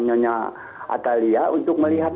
nyonya atalia untuk melihat